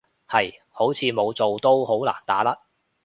係，好似冇做都好難打甩